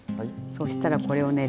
そしたらこれをね